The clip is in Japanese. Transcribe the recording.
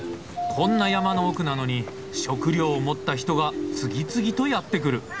こんな山の奥なのに食料を持った人が次々とやって来る！